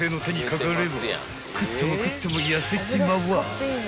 ［食っても食っても痩せちまうわ］